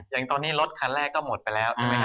อย่างตอนนี้รถคันแรกก็หมดไปแล้วใช่ไหมครับ